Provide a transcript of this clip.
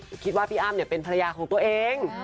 ก็คิดว่าพี่อ้ำเป็นภรรยาของตัวเอง